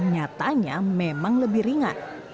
nyatanya memang lebih ringan